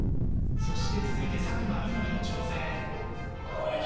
そして、続いて佐久間みなみの挑戦。